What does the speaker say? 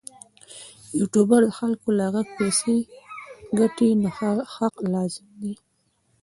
یوټوبر د خلکو له غږ پیسې ګټي نو حق لازم دی.